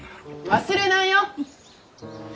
忘れないよ！